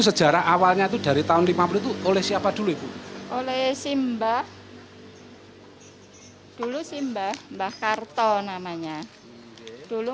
saudara awalnya itu dari tahun lima puluh oleh siapa dulu ibu oleh simba dulu simba mbah karton namanya dulu